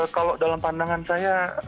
kalau dalam pandangan saya